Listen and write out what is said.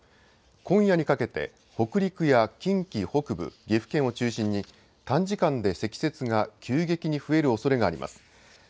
今夜にかけて北陸や近畿北部、岐阜県を中心に短時間で積雪が急激に増えるおそれがあります。